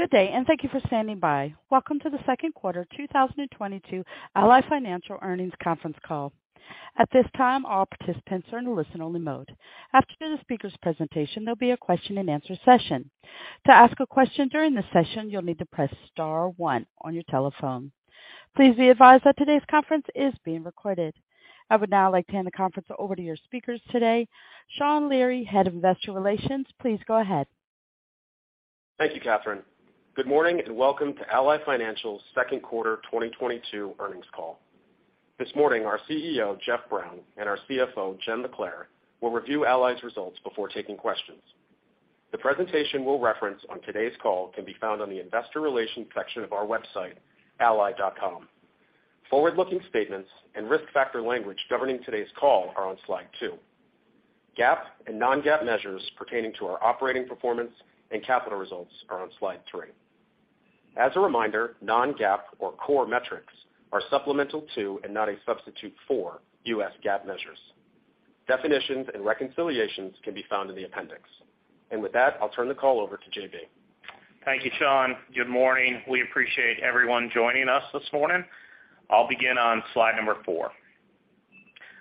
Good day, and thank you for standing by. Welcome to the Q2 2022 Ally Financial earnings conference call. At this time, all participants are in listen only mode. After the speaker's presentation, there'll be a question and answer session. To ask a question during the session, you'll need to press star one on your telephone. Please be advised that today's conference is being recorded. I would now like to hand the conference over to your speakers today, Sean Leary, Head of Investor Relations. Please go ahead. Thank you, Catherine. Good morning, and welcome to Ally Financial's Q2 2022 earnings call. This morning, our CEO, Jeffrey Brown, and our CFO, Jennifer LaClair, will review Ally's results before taking questions. The presentation we'll reference on today's call can be found on the investor relations section of our website, ally.com. Forward-looking statements and risk factor language governing today's call are on slide 2. GAAP and non-GAAP measures pertaining to our operating performance and capital results are on slide 3. As a reminder, non-GAAP or core metrics are supplemental to and not a substitute for U.S. GAAP measures. Definitions and reconciliations can be found in the appendix. With that, I'll turn the call over to JB. Thank you, Sean. Good morning. We appreciate everyone joining us this morning. I'll begin on slide number 4.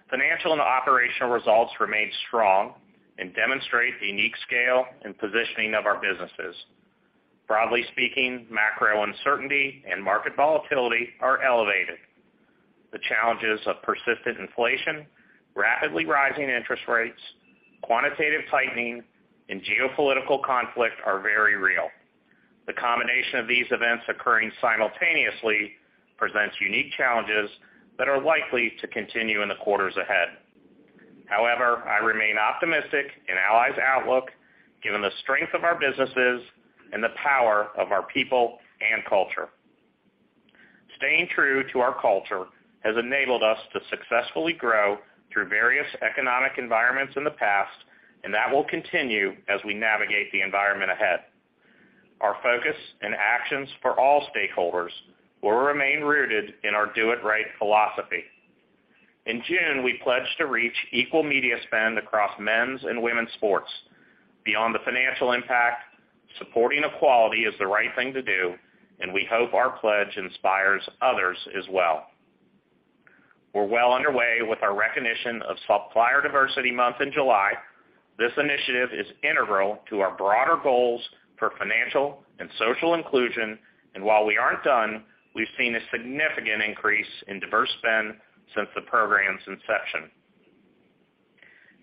Financial and operational results remain strong and demonstrate the unique scale and positioning of our businesses. Broadly speaking, macro uncertainty and market volatility are elevated. The challenges of persistent inflation, rapidly rising interest rates, quantitative tightening, and geopolitical conflict are very real. The combination of these events occurring simultaneously presents unique challenges that are likely to continue in the quarters ahead. However, I remain optimistic in Ally's outlook, given the strength of our businesses and the power of our people and culture. Staying true to our culture has enabled us to successfully grow through various economic environments in the past, and that will continue as we navigate the environment ahead. Our focus and actions for all stakeholders will remain rooted in our Do It Right philosophy. In June, we pledged to reach equal media spend across men's and women's sports. Beyond the financial impact, supporting equality is the right thing to do, and we hope our pledge inspires others as well. We're well underway with our recognition of Supplier Diversity Month in July. This initiative is integral to our broader goals for financial and social inclusion, and while we aren't done, we've seen a significant increase in diverse spend since the program's inception.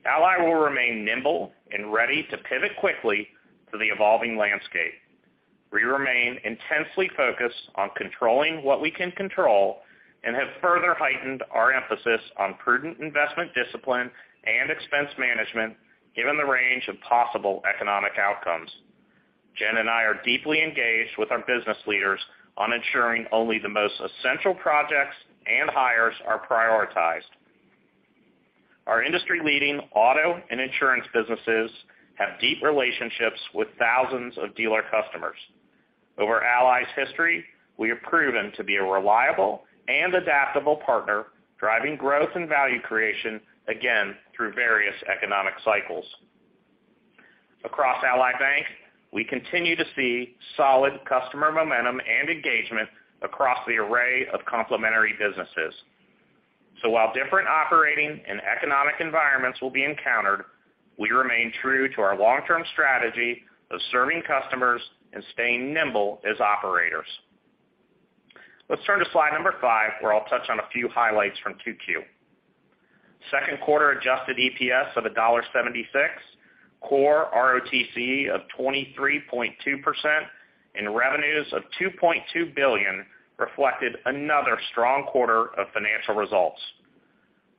Ally will remain nimble and ready to pivot quickly to the evolving landscape. We remain intensely focused on controlling what we can control and have further heightened our emphasis on prudent investment discipline and expense management, given the range of possible economic outcomes. Jen and I are deeply engaged with our business leaders on ensuring only the most essential projects and hires are prioritized. Our industry-leading auto and insurance businesses have deep relationships with thousands of dealer customers. Over Ally's history, we have proven to be a reliable and adaptable partner, driving growth and value creation, again, through various economic cycles. Across Ally Bank, we continue to see solid customer momentum and engagement across the array of complementary businesses. While different operating and economic environments will be encountered, we remain true to our long-term strategy of serving customers and staying nimble as operators. Let's turn to slide number 5, where I'll touch on a few highlights from Q2. Q2 adjusted EPS of $0.76, core ROTCE of 23.2%, and revenues of $2.2 billion reflected another strong quarter of financial results.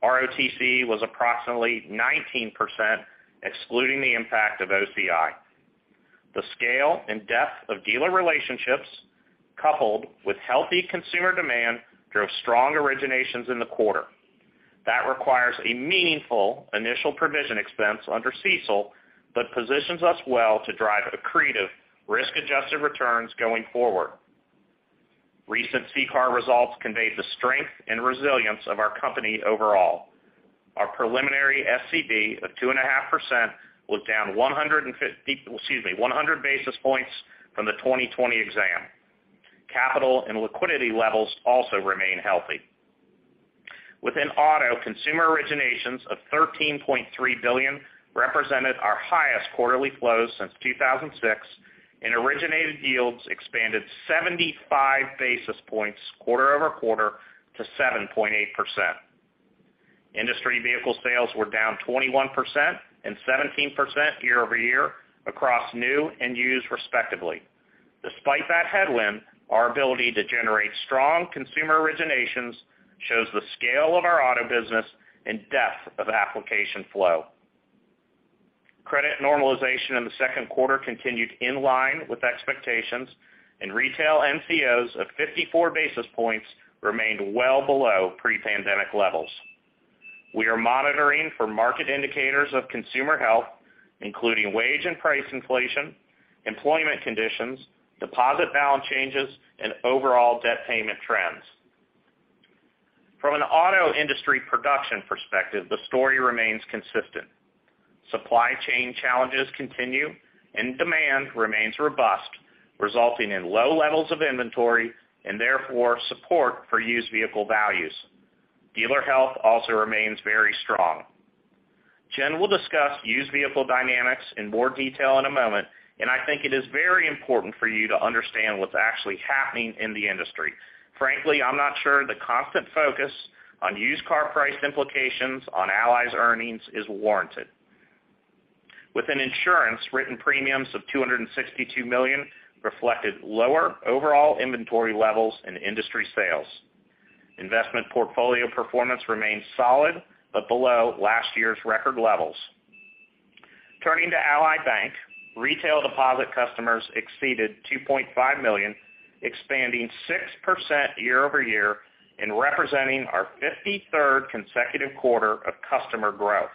ROTCE was approximately 19%, excluding the impact of OCI. The scale and depth of dealer relationships coupled with healthy consumer demand drove strong originations in the quarter. That requires a meaningful initial provision expense under CECL, but positions us well to drive accretive risk-adjusted returns going forward. Recent CCAR results convey the strength and resilience of our company overall. Our preliminary SCB of 2.5% was down 100 basis points from the 2020 exam. Capital and liquidity levels also remain healthy. Within auto, consumer originations of $13.3 billion represented our highest quarterly flows since 2006, and originated yields expanded 75 basis points quarter-over-quarter to 7.8%. Industry vehicle sales were down 21% and 17% year-over-year across new and used respectively. Despite that headwind, our ability to generate strong consumer originations shows the scale of our auto business and depth of application flow. Credit normalization in the second quarter continued in line with expectations and retail NCOs of 54 basis points remained well below pre-pandemic levels. We are monitoring for market indicators of consumer health, including wage and price inflation, employment conditions, deposit balance changes, and overall debt payment trends. From an auto industry production perspective, the story remains consistent. Supply chain challenges continue and demand remains robust, resulting in low levels of inventory and therefore support for used vehicle values. Dealer health also remains very strong. Jen will discuss used vehicle dynamics in more detail in a moment, and I think it is very important for you to understand what's actually happening in the industry. Frankly, I'm not sure the constant focus on used car price implications on Ally's earnings is warranted. Within insurance, written premiums of $262 million reflected lower overall inventory levels and industry sales. Investment portfolio performance remains solid, but below last year's record levels. Turning to Ally Bank, retail deposit customers exceeded 2.5 million, expanding 6% year-over-year and representing our 53rd consecutive quarter of customer growth.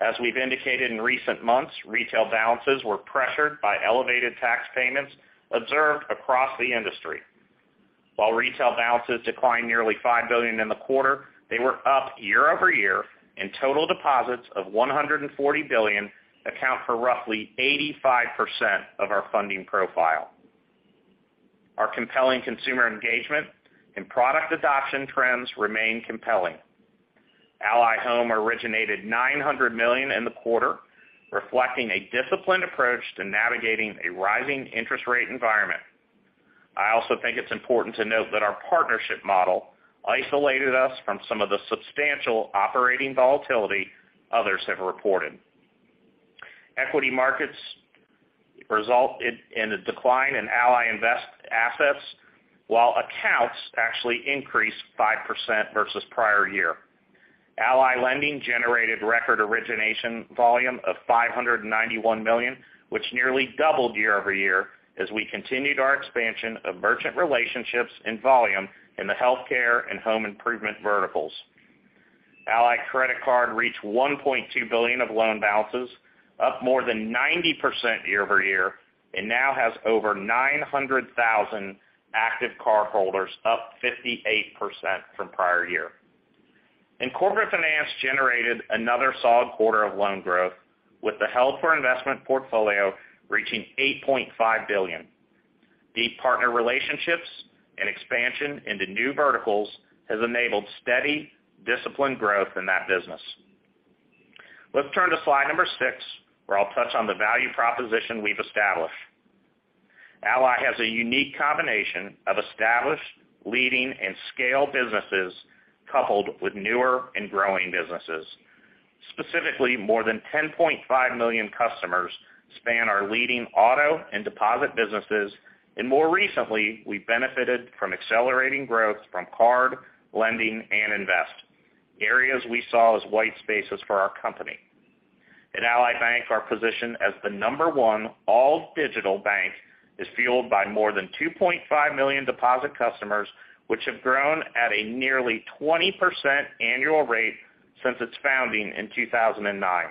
As we've indicated in recent months, retail balances were pressured by elevated tax payments observed across the industry. While retail balances declined nearly $5 billion in the quarter, they were up year-over-year, and total deposits of $140 billion account for roughly 85% of our funding profile. Our compelling consumer engagement and product adoption trends remain compelling. Ally Home originated $900 million in the quarter, reflecting a disciplined approach to navigating a rising interest rate environment. I also think it's important to note that our partnership model isolated us from some of the substantial operating volatility others have reported. Equity markets result in a decline in Ally Invest assets while accounts actually increased 5% versus prior year. Ally Lending generated record origination volume of $591 million, which nearly doubled year-over-year as we continued our expansion of merchant relationships and volume in the healthcare and home improvement verticals. Ally Credit Card reached $1.2 billion of loan balances, up more than 90% year-over-year, and now has over 900,000 active cardholders, up 58% from prior year. Corporate Finance generated another solid quarter of loan growth, with the held for investment portfolio reaching $8.5 billion. Deep partner relationships and expansion into new verticals has enabled steady, disciplined growth in that business. Let's turn to slide number 6, where I'll touch on the value proposition we've established. Ally has a unique combination of established, leading and scale businesses, coupled with newer and growing businesses. Specifically, more than 10.5 million customers span our leading auto and deposit businesses, and more recently, we benefited from accelerating growth from card, lending and invest, areas we saw as white spaces for our company. In Ally Bank, our position as the number 1 all-digital bank is fueled by more than 2.5 million deposit customers, which have grown at a nearly 20% annual rate since its founding in 2009.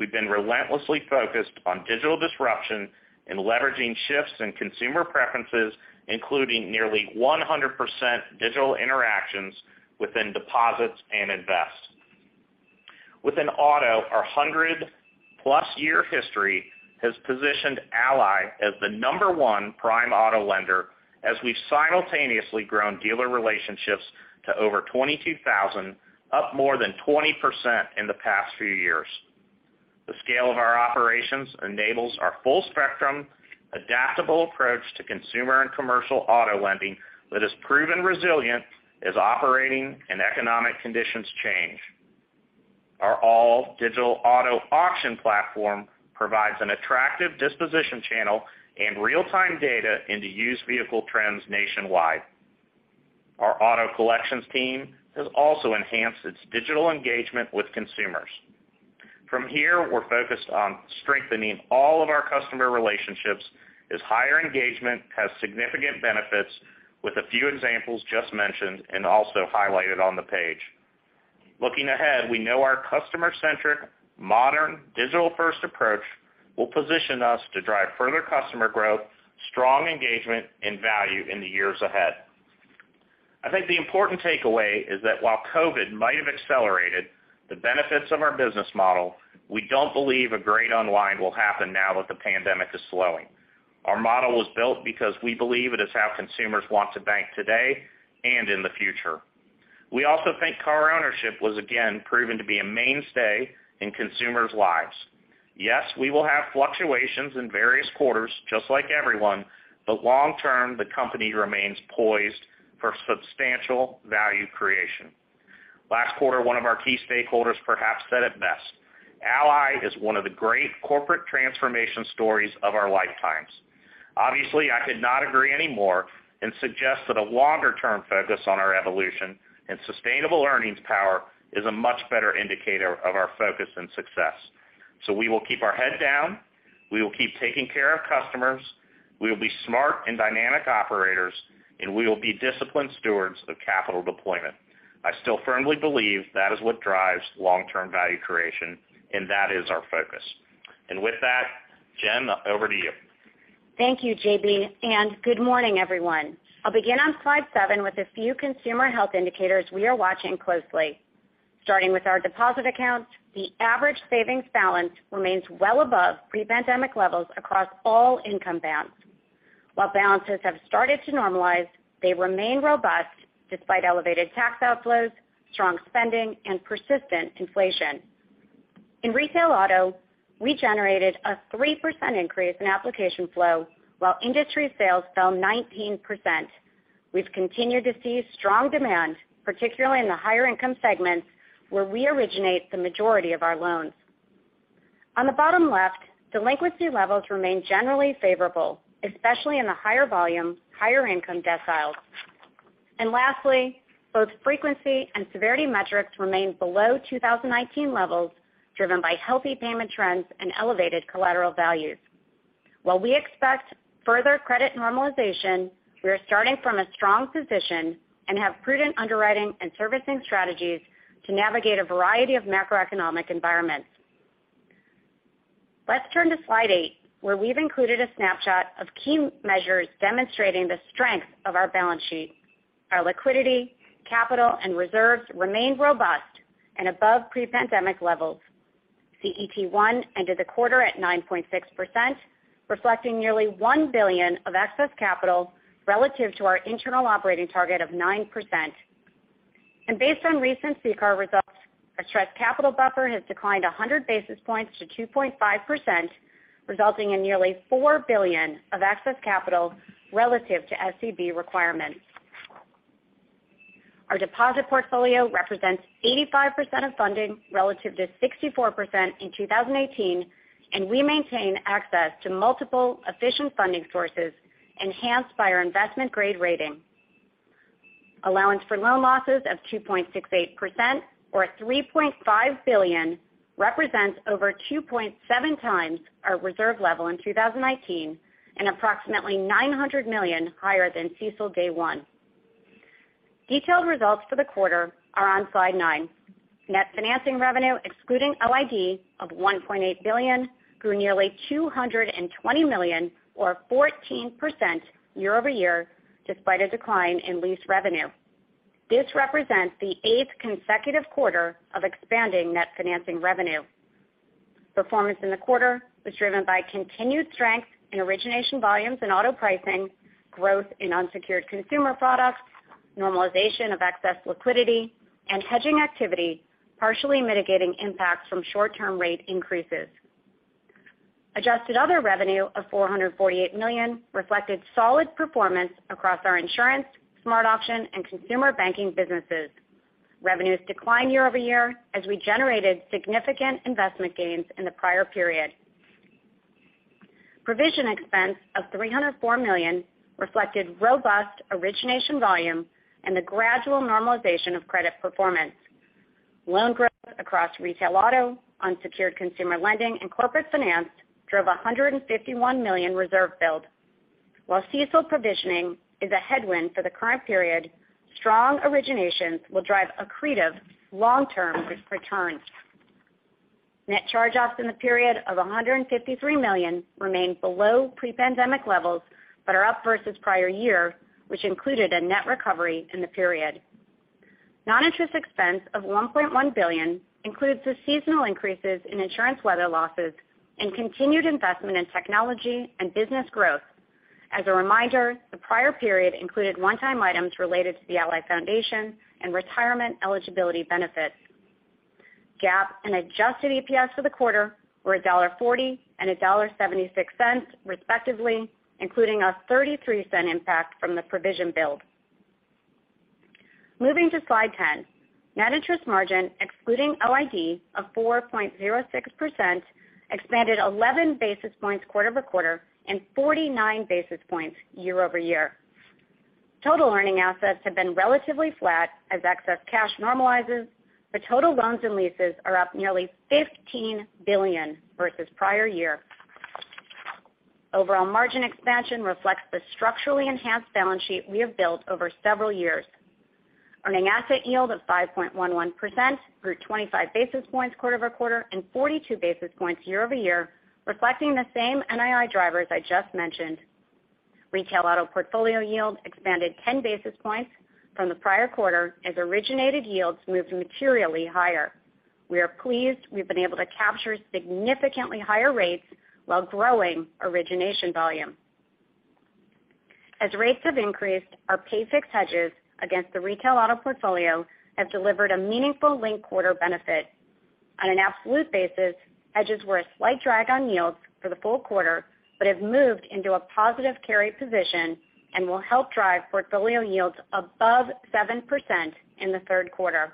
We've been relentlessly focused on digital disruption and leveraging shifts in consumer preferences, including nearly 100% digital interactions within deposits and Invest. Within Auto, our 100-plus year history has positioned Ally as the number one prime auto lender as we've simultaneously grown dealer relationships to over 22,000, up more than 20% in the past few years. The scale of our operations enables our full spectrum, adaptable approach to consumer and commercial auto lending that is proven resilient as operating and economic conditions change. Our all-digital auto auction platform provides an attractive disposition channel and real-time data into used vehicle trends nationwide. Our auto collections team has also enhanced its digital engagement with consumers. From here, we're focused on strengthening all of our customer relationships as higher engagement has significant benefits with a few examples just mentioned and also highlighted on the page. Looking ahead, we know our customer-centric, modern, digital-first approach will position us to drive further customer growth, strong engagement and value in the years ahead. I think the important takeaway is that while COVID might have accelerated the benefits of our business model, we don't believe a great unwind will happen now that the pandemic is slowing. Our model was built because we believe it is how consumers want to bank today and in the future. We also think car ownership was again proven to be a mainstay in consumers' lives. Yes, we will have fluctuations in various quarters just like everyone, but long term, the company remains poised for substantial value creation. Last quarter, one of our key stakeholders perhaps said it best: "Ally is one of the great corporate transformation stories of our lifetimes." Obviously, I could not agree any more and suggest that a longer-term focus on our evolution and sustainable earnings power is a much better indicator of our focus and success. We will keep our head down, we will keep taking care of customers, we will be smart and dynamic operators, and we will be disciplined stewards of capital deployment. I still firmly believe that is what drives long-term value creation, and that is our focus. With that, Jen, over to you. Thank you, JB, and good morning, everyone. I'll begin on slide 7 with a few consumer health indicators we are watching closely. Starting with our deposit accounts, the average savings balance remains well above pre-pandemic levels across all income bands. While balances have started to normalize, they remain robust despite elevated tax outflows, strong spending, and persistent inflation. In retail auto, we generated a 3% increase in application flow while industry sales fell 19%. We've continued to see strong demand, particularly in the higher income segments, where we originate the majority of our loans. On the bottom left, delinquency levels remain generally favorable, especially in the higher volume, higher income deciles. Lastly, both frequency and severity metrics remain below 2019 levels, driven by healthy payment trends and elevated collateral values. While we expect further credit normalization, we are starting from a strong position and have prudent underwriting and servicing strategies to navigate a variety of macroeconomic environments. Let's turn to slide eight, where we've included a snapshot of key measures demonstrating the strength of our balance sheet. Our liquidity, capital, and reserves remain robust and above pre-pandemic levels. CET1 ended the quarter at 9.6%, reflecting nearly $1 billion of excess capital relative to our internal operating target of 9%. Based on recent CCAR results, our stress capital buffer has declined 100 basis points to 2.5%, resulting in nearly $4 billion of excess capital relative to SCB requirements. Our deposit portfolio represents 85% of funding relative to 64% in 2018, and we maintain access to multiple efficient funding sources enhanced by our investment-grade rating. Allowance for loan losses of 2.68% or $3.5 billion represents over 2.7x our reserve level in 2019 and approximately $900 million higher than CECL Day 1. Detailed results for the quarter are on slide 9. Net financing revenue excluding LID of $1.8 billion grew nearly $220 million or 14% year-over-year despite a decline in lease revenue. This represents the eighth consecutive quarter of expanding net financing revenue. Performance in the quarter was driven by continued strength in origination volumes and auto pricing, growth in unsecured consumer products, normalization of excess liquidity, and hedging activity, partially mitigating impacts from short-term rate increases. Adjusted other revenue of $448 million reflected solid performance across our insurance, SmartAuction, and consumer banking businesses. Revenues declined year over year as we generated significant investment gains in the prior period. Provision expense of $304 million reflected robust origination volume and the gradual normalization of credit performance. Loan growth across retail auto, unsecured consumer lending, and corporate finance drove $151 million reserve build. While CECL provisioning is a headwind for the current period, strong originations will drive accretive long-term returns. Net charge-offs in the period of $153 million remain below pre-pandemic levels but are up versus prior year, which included a net recovery in the period. Non-interest expense of $1.1 billion includes the seasonal increases in insurance weather losses and continued investment in technology and business growth. As a reminder, the prior period included one-time items related to the Ally Foundation and retirement eligibility benefits. GAAP and adjusted EPS for the quarter were $1.40 and $1.76, respectively, including a $0.33 impact from the provision build. Moving to slide 10, net interest margin excluding OID of 4.06% expanded 11 basis points quarter-over-quarter and 49 basis points year-over-year. Total earning assets have been relatively flat as excess cash normalizes, but total loans and leases are up nearly $15 billion versus prior year. Overall margin expansion reflects the structurally enhanced balance sheet we have built over several years. Earning asset yield of 5.11% grew 25 basis points quarter-over-quarter and 42 basis points year-over-year, reflecting the same NII drivers I just mentioned. Retail auto portfolio yield expanded 10 basis points from the prior quarter as originated yields moved materially higher. We are pleased we've been able to capture significantly higher rates while growing origination volume. As rates have increased, our pay-fixed hedges against the retail auto portfolio have delivered a meaningful linked-quarter benefit. On an absolute basis, hedges were a slight drag on yields for the full quarter but have moved into a positive carry position and will help drive portfolio yields above 7% in the third quarter.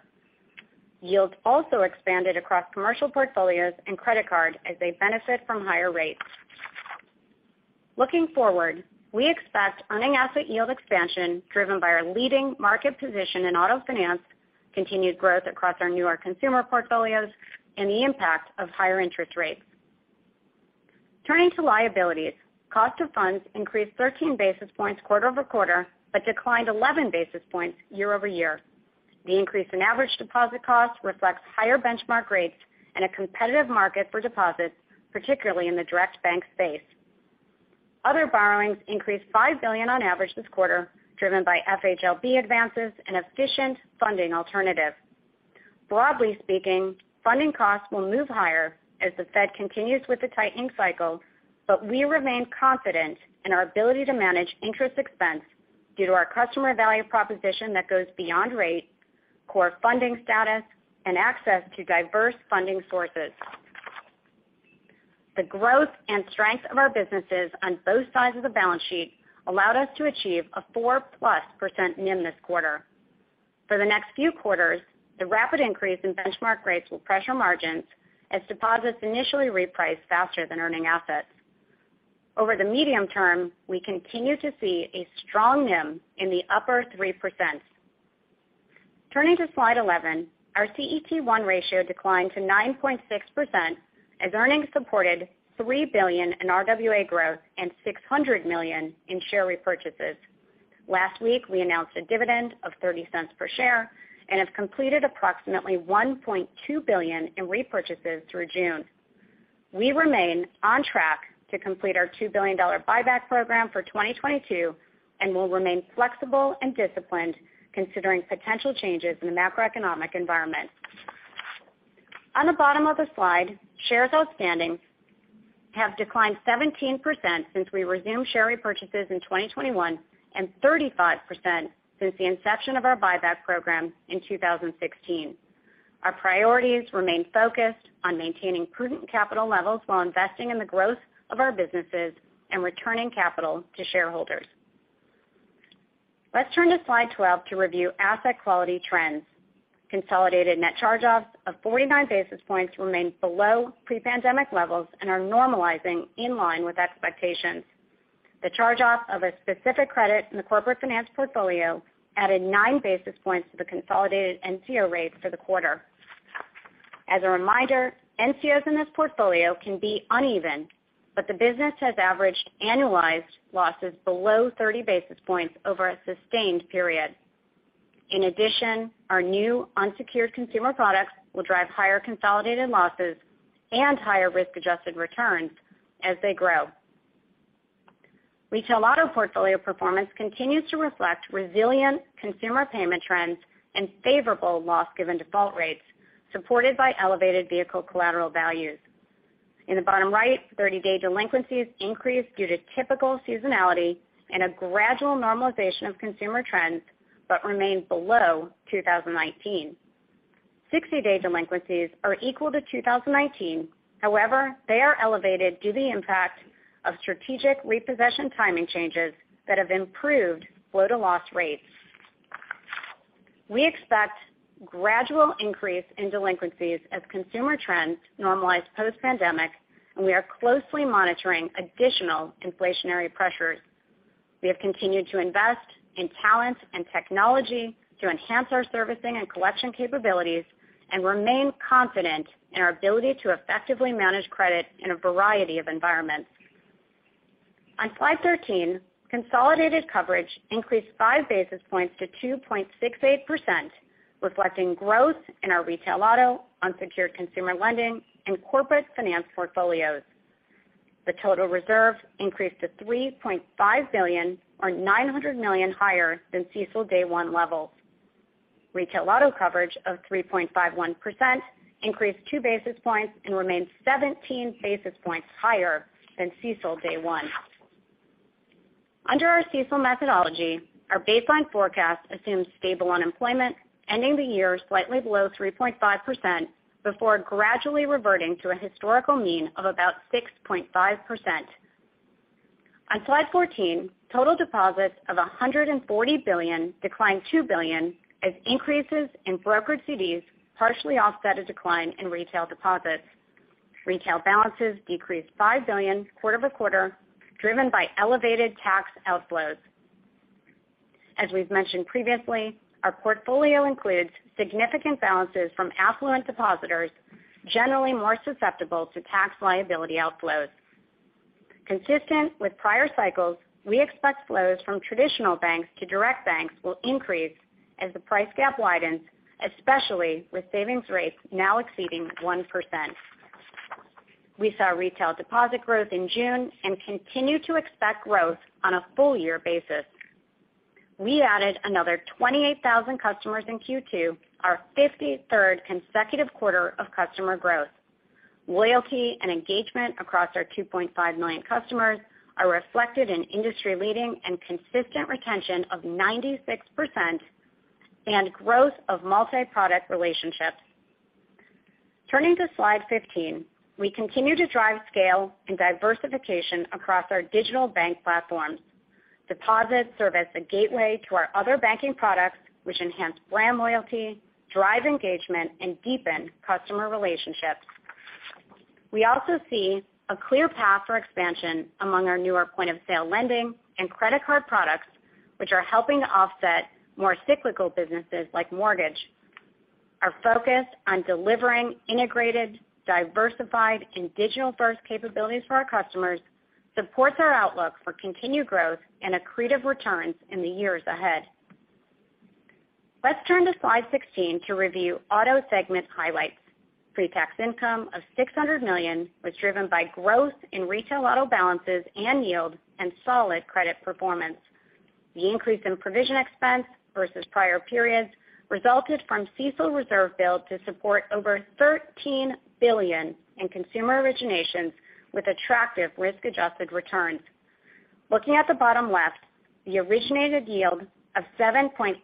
Yields also expanded across commercial portfolios and credit card as they benefit from higher rates. Looking forward, we expect earning asset yield expansion driven by our leading market position in auto finance, continued growth across our newer consumer portfolios, and the impact of higher interest rates. Turning to liabilities, cost of funds increased 13 basis points quarter-over-quarter, but declined 11 basis points year-over-year. The increase in average deposit costs reflects higher benchmark rates and a competitive market for deposits, particularly in the direct bank space. Other borrowings increased $5 billion on average this quarter, driven by FHLB advances and efficient funding alternatives. Broadly speaking, funding costs will move higher as the Fed continues with the tightening cycle, but we remain confident in our ability to manage interest expense due to our customer value proposition that goes beyond rate, core funding status, and access to diverse funding sources. The growth and strength of our businesses on both sides of the balance sheet allowed us to achieve a +4% NIM this quarter. For the next few quarters, the rapid increase in benchmark rates will pressure margins as deposits initially reprice faster than earning assets. Over the medium term, we continue to see a strong NIM in the upper 3%. Turning to slide 11, our CET1 ratio declined to 9.6% as earnings supported 3 billion in RWA growth and $600 million in share repurchases. Last week, we announced a dividend of $0.30 per share and have completed approximately $1.2 billion in repurchases through June. We remain on track to complete our $2 billion buyback program for 2022, and we'll remain flexible and disciplined considering potential changes in the macroeconomic environment. On the bottom of the slide, shares outstanding have declined 17% since we resumed share repurchases in 2021, and 35% since the inception of our buyback program in 2016. Our priorities remain focused on maintaining prudent capital levels while investing in the growth of our businesses and returning capital to shareholders. Let's turn to slide 12 to review asset quality trends. Consolidated net charge-offs of 49 basis points remain below pre-pandemic levels and are normalizing in line with expectations. The charge-off of a specific credit in the Corporate Finance portfolio added 9 basis points to the consolidated NCO rates for the quarter. As a reminder, NCOs in this portfolio can be uneven, but the business has averaged annualized losses below 30 basis points over a sustained period. In addition, our new unsecured consumer products will drive higher consolidated losses and higher risk-adjusted returns as they grow. Retail auto portfolio performance continues to reflect resilient consumer payment trends and favorable loss-given default rates, supported by elevated vehicle collateral values. In the bottom right, 30-day delinquencies increased due to typical seasonality and a gradual normalization of consumer trends, but remained below 2019. 60-day delinquencies are equal to 2019. However, they are elevated due to the impact of strategic repossession timing changes that have improved flow-to-loss rates. We expect gradual increase in delinquencies as consumer trends normalize post-pandemic, and we are closely monitoring additional inflationary pressures. We have continued to invest in talent and technology to enhance our servicing and collection capabilities and remain confident in our ability to effectively manage credit in a variety of environments. On slide 13, consolidated coverage increased 5 basis points to 2.68%, reflecting growth in our retail auto, unsecured consumer lending, and corporate finance portfolios. The total reserve increased to $3.5 billion or $900 million higher than CECL Day 1 levels. Retail auto coverage of 3.51% increased 2 basis points and remains 17 basis points higher than CECL Day 1. Under our CECL methodology, our baseline forecast assumes stable unemployment, ending the year slightly below 3.5% before gradually reverting to a historical mean of about 6.5%. On slide 14, total deposits of $140 billion declined $2 billion as increases in brokered CDs partially offset a decline in retail deposits. Retail balances decreased $5 billion quarter-over-quarter, driven by elevated tax outflows. As we've mentioned previously, our portfolio includes significant balances from affluent depositors, generally more susceptible to tax liability outflows. Consistent with prior cycles, we expect flows from traditional banks to direct banks will increase as the price gap widens, especially with savings rates now exceeding 1%. We saw retail deposit growth in June and continue to expect growth on a full year basis. We added another 28,000 customers in Q2, our 53rd consecutive quarter of customer growth. Loyalty and engagement across our 2.5 million customers are reflected in industry-leading and consistent retention of 96% and growth of multiproduct relationships. Turning to slide 15, we continue to drive scale and diversification across our digital bank platforms. Deposits serve as a gateway to our other banking products, which enhance brand loyalty, drive engagement, and deepen customer relationships. We also see a clear path for expansion among our newer point-of-sale lending and credit card products, which are helping to offset more cyclical businesses like mortgage. Our focus on delivering integrated, diversified, and digital-first capabilities for our customers supports our outlook for continued growth and accretive returns in the years ahead. Let's turn to slide 16 to review auto segment highlights. Pre-tax income of $600 million was driven by growth in retail auto balances and yield and solid credit performance. The increase in provision expense versus prior periods resulted from CECL reserve build to support over $13 billion in consumer originations with attractive risk-adjusted returns. Looking at the bottom left, the originated yield of 7.82%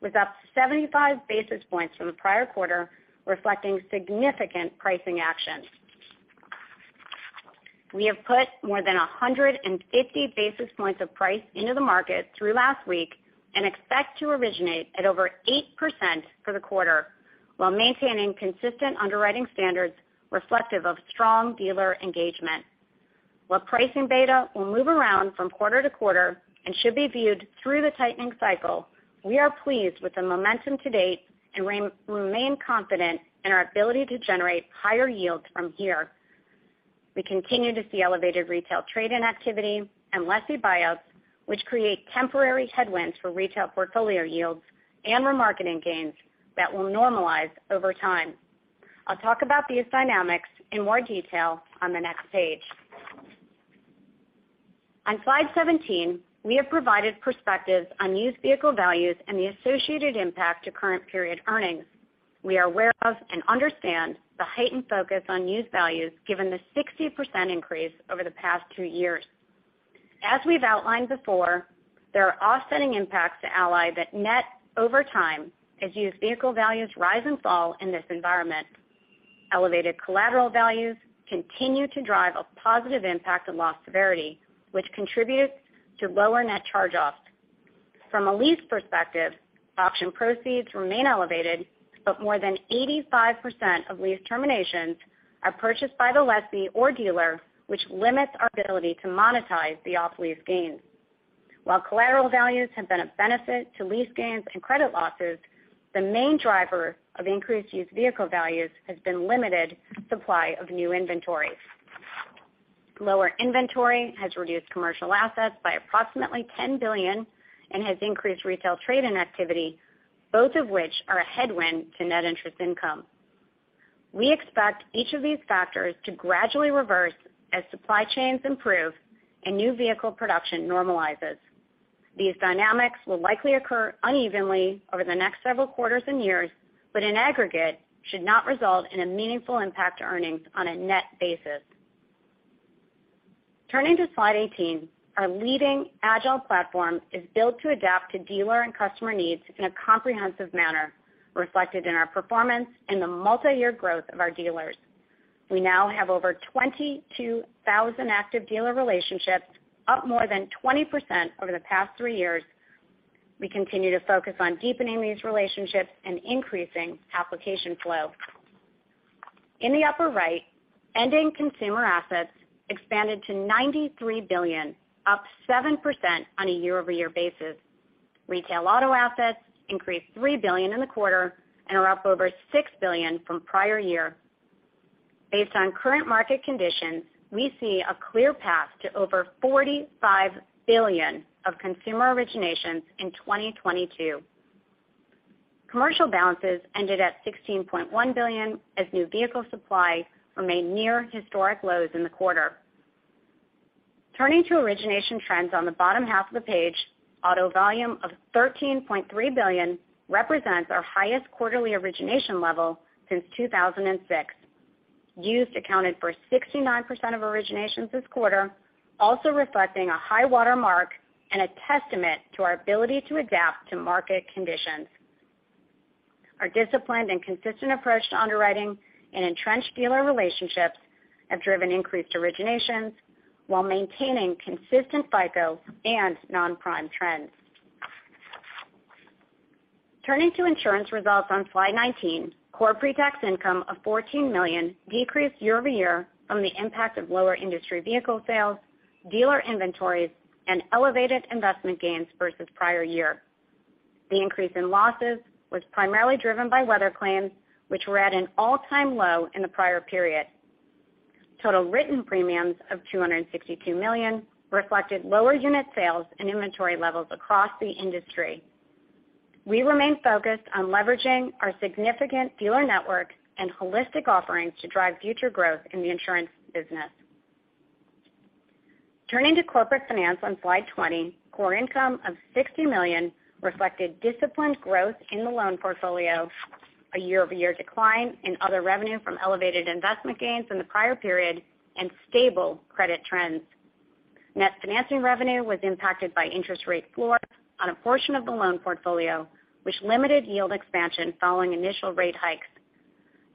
was up 75 basis points from the prior quarter, reflecting significant pricing actions. We have put more than 150 basis points of price into the market through last week and expect to originate at over 8% for the quarter while maintaining consistent underwriting standards reflective of strong dealer engagement. While pricing beta will move around from quarter-to-quarter and should be viewed through the tightening cycle, we are pleased with the momentum to date and remain confident in our ability to generate higher yields from here. We continue to see elevated retail trade-in activity and lessee buyouts, which create temporary headwinds for retail portfolio yields and remarketing gains that will normalize over time. I'll talk about these dynamics in more detail on the next page. On slide 17, we have provided perspectives on used vehicle values and the associated impact to current period earnings. We are aware of and understand the heightened focus on used values given the 60% increase over the past two years. As we've outlined before, there are offsetting impacts to Ally that net over time as used vehicle values rise and fall in this environment. Elevated collateral values continue to drive a positive impact to loss severity, which contributes to lower net charge-offs. From a lease perspective, auction proceeds remain elevated, but more than 85% of lease terminations are purchased by the lessee or dealer, which limits our ability to monetize the off-lease gains. While collateral values have been a benefit to lease gains and credit losses, the main driver of increased used vehicle values has been limited supply of new inventories. Lower inventory has reduced commercial assets by approximately $10 billion and has increased retail trade-in activity, both of which are a headwind to net interest income. We expect each of these factors to gradually reverse as supply chains improve and new vehicle production normalizes. These dynamics will likely occur unevenly over the next several quarters and years, but in aggregate should not result in a meaningful impact to earnings on a net basis. Turning to slide 18, our leading agile platform is built to adapt to dealer and customer needs in a comprehensive manner, reflected in our performance and the multiyear growth of our dealers. We now have over 22,000 active dealer relationships, up more than 20% over the past 3 years. We continue to focus on deepening these relationships and increasing application flow. In the upper right, ending consumer assets expanded to $93 billion, up 7% on a year-over-year basis. Retail auto assets increased $3 billion in the quarter and are up over $6 billion from prior year. Based on current market conditions, we see a clear path to over $45 billion of consumer originations in 2022. Commercial balances ended at $16.1 billion as new vehicle supply remained near historic lows in the quarter. Turning to origination trends on the bottom half of the page, auto volume of $13.3 billion represents our highest quarterly origination level since 2006. Used accounted for 69% of originations this quarter, also reflecting a high-water mark and a testament to our ability to adapt to market conditions. Our disciplined and consistent approach to underwriting and entrenched dealer relationships have driven increased originations while maintaining consistent FICO and non-prime trends. Turning to insurance results on slide 19, core pre-tax income of $14 million decreased year over year from the impact of lower industry vehicle sales, dealer inventories, and elevated investment gains versus prior year. The increase in losses was primarily driven by weather claims, which were at an all-time low in the prior period. Total written premiums of $262 million reflected lower unit sales and inventory levels across the industry. We remain focused on leveraging our significant dealer network and holistic offerings to drive future growth in the insurance business. Turning to Corporate Finance on slide 20, core income of $60 million reflected disciplined growth in the loan portfolio, a year-over-year decline in other revenue from elevated investment gains in the prior period, and stable credit trends. Net financing revenue was impacted by interest rate floors on a portion of the loan portfolio, which limited yield expansion following initial rate hikes.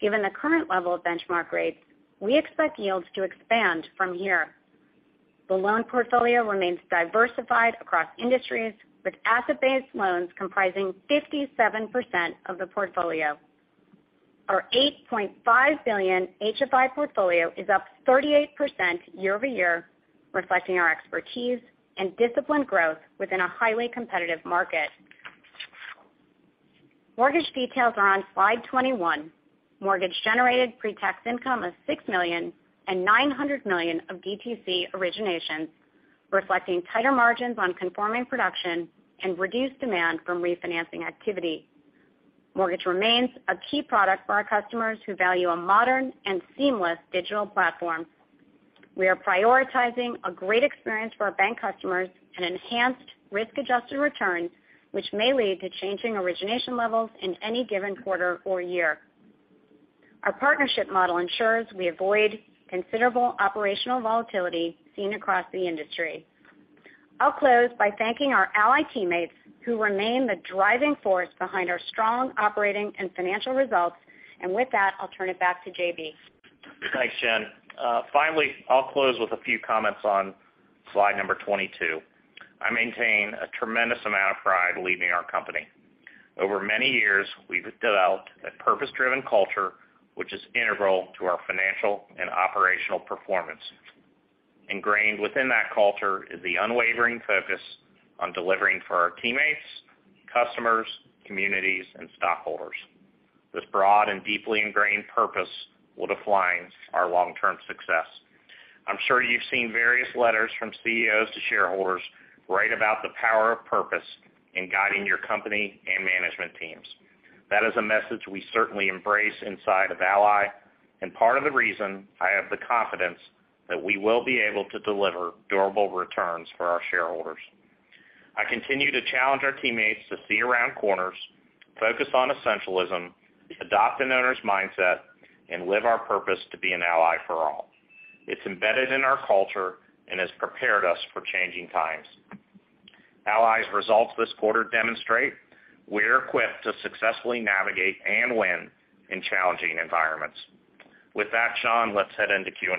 Given the current level of benchmark rates, we expect yields to expand from here. The loan portfolio remains diversified across industries, with asset-based loans comprising 57% of the portfolio. Our $8.5 billion HFI portfolio is up 38% year-over-year, reflecting our expertise and disciplined growth within a highly competitive market. Mortgage details are on slide 21. Mortgage generated pretax income of $6 million and $900 million of DTC originations, reflecting tighter margins on conforming production and reduced demand from refinancing activity. Mortgage remains a key product for our customers who value a modern and seamless digital platform. We are prioritizing a great experience for our bank customers and enhanced risk-adjusted returns, which may lead to changing origination levels in any given quarter or year. Our partnership model ensures we avoid considerable operational volatility seen across the industry. I'll close by thanking our Ally teammates who remain the driving force behind our strong operating and financial results. With that, I'll turn it back to JB. Thanks, Jen. Finally, I'll close with a few comments on slide number 22. I maintain a tremendous amount of pride leading our company. Over many years, we've developed a purpose-driven culture, which is integral to our financial and operational performance. Ingrained within that culture is the unwavering focus on delivering for our teammates, customers, communities, and stockholders. This broad and deeply ingrained purpose will define our long-term success. I'm sure you've seen various letters from CEOs to shareholders write about the power of purpose in guiding your company and management teams. That is a message we certainly embrace inside of Ally, and part of the reason I have the confidence that we will be able to deliver durable returns for our shareholders. I continue to challenge our teammates to see around corners, focus on essentialism, adopt an owner's mindset, and live our purpose to be an Ally for all. It's embedded in our culture and has prepared us for changing times. Ally's results this quarter demonstrate we're equipped to successfully navigate and win in challenging environments. With that, Sean, let's head into Q&A.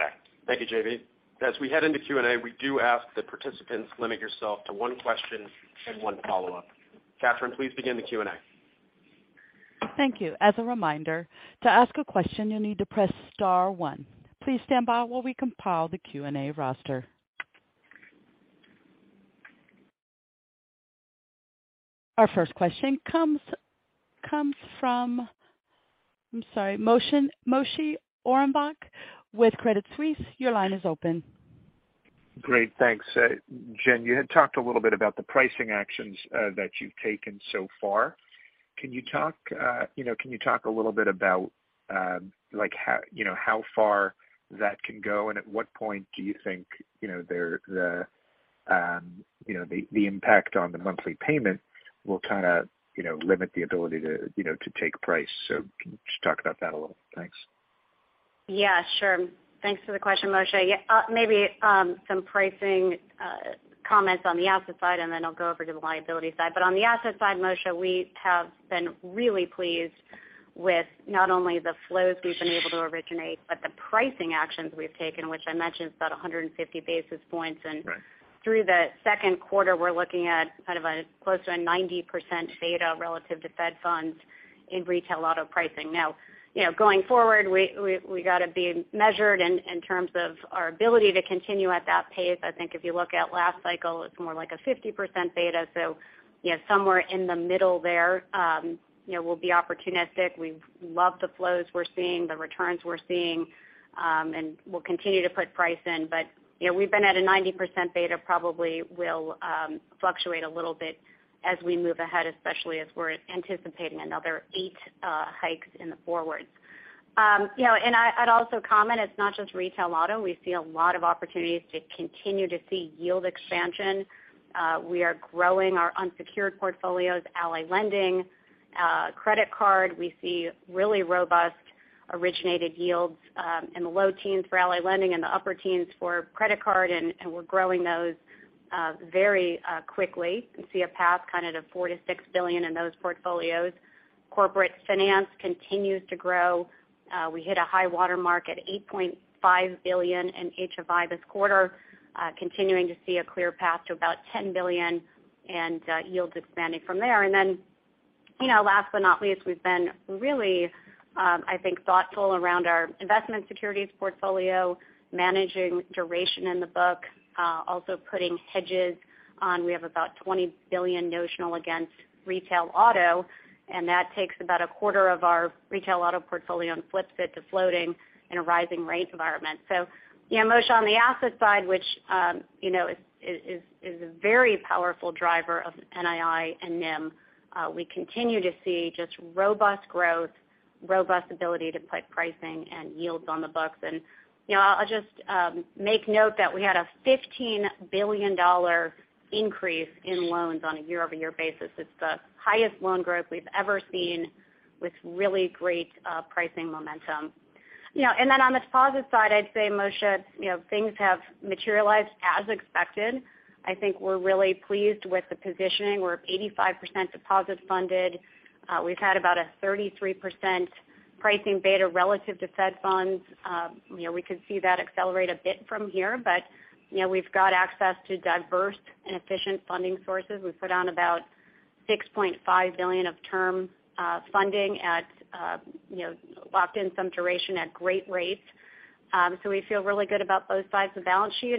Thank you, JB. As we head into Q&A, we do ask the participants limit yourselves to one question and one follow-up. Catherine, please begin the Q&A. Thank you. As a reminder, to ask a question, you'll need to press star one. Please stand by while we compile the Q&A roster. Our first question comes from, I'm sorry, Moshe Orenbuch with Credit Suisse. Your line is open. Great. Thanks. Jen, you had talked a little bit about the pricing actions that you've taken so far. Can you talk a little bit about, like, how, you know, how far that can go? At what point do you think, you know, the impact on the monthly payment will kind of, you know, limit the ability to, you know, to take price? Can you just talk about that a little? Thanks. Yeah, sure. Thanks for the question, Moshe. Yeah, maybe some pricing comments on the asset side, and then I'll go over to the liability side. On the asset side, Moshe, we have been really pleased with not only the flows we've been able to originate, but the pricing actions we've taken, which I mentioned is about 150 basis points. Right. Through the second quarter, we're looking at kind of close to a 90% beta relative to Fed funds in retail auto pricing. Now, you know, going forward, we got to be measured in terms of our ability to continue at that pace. I think if you look at last cycle, it's more like a 50% beta. You know, somewhere in the middle there, you know, we'll be opportunistic. We love the flows we're seeing, the returns we're seeing, and we'll continue to put price in. You know, we've been at a 90% beta probably will fluctuate a little bit as we move ahead, especially as we're anticipating another 8 hikes in the forward. You know, I'd also comment, it's not just retail auto. We see a lot of opportunities to continue to see yield expansion. We are growing our unsecured portfolios, Ally Lending, credit card. We see really robust originated yields in the low teens for Ally Lending and the upper teens for credit card, and we're growing those very quickly and see a path kind of to $4 billion-$6 billion in those portfolios. Corporate finance continues to grow. We hit a high water mark at $8.5 billion in HFI this quarter, continuing to see a clear path to about $10 billion and yields expanding from there. You know, last but not least, we've been really, I think, thoughtful around our investment securities portfolio, managing duration in the book, also putting hedges on. We have about $20 billion notional against retail auto, and that takes about a quarter of our retail auto portfolio and flips it to floating in a rising rate environment. You know, Moshe, on the asset side, which, you know, is a very powerful driver of NII and NIM, we continue to see just robust growth, robust ability to put pricing and yields on the books. You know, I'll just make note that we had a $15 billion increase in loans on a year-over-year basis. It's the highest loan growth we've ever seen with really great pricing momentum. You know, and then on the deposit side, I'd say, Moshe, you know, things have materialized as expected. I think we're really pleased with the positioning. We're 85% deposit funded. We've had about a 33% pricing beta relative to Fed funds. You know, we could see that accelerate a bit from here. You know, we've got access to diverse and efficient funding sources. We put on about $6.5 billion of term funding at, you know, locked in some duration at great rates. We feel really good about both sides of the balance sheet. You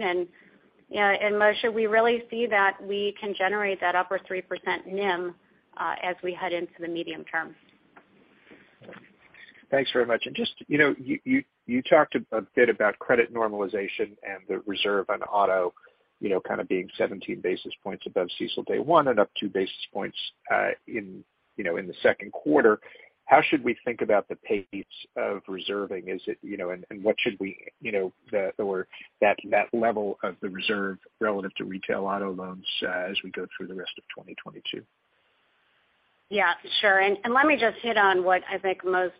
know, Moshe, we really see that we can generate that upper 3% NIM as we head into the medium term. Thanks very much. Just, you know, you talked a bit about credit normalization and the reserve on auto, you know, kind of being 17 basis points above CECL Day 1 and up 2 basis points in the second quarter. How should we think about the pace of reserving? Is it, you know, and what should we, you know, or that level of the reserve relative to retail auto loans as we go through the rest of 2022? Yeah, sure. Let me just hit on what I think most